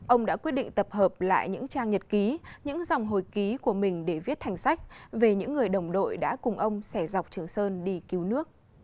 ông đã quyết định tập hợp lại những trang nhật ký những dòng hồi ký của mình để viết thành sách về những người đồng đội đã cùng ông xẻ dọc trường sơn đi cứu nước